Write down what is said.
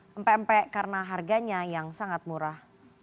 kampung pempek karena harganya yang sangat murah